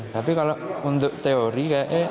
tapi kalau untuk teori